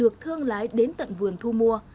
cũng đến tận vườn thu mua